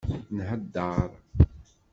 Nheddeṛ.